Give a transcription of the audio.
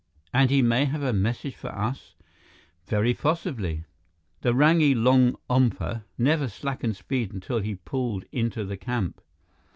"And he may have a message for us?" "Very possibly." The rangy longompa never slackened speed until he pulled into the camp.